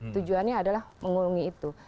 tujuannya adalah mengurungi itu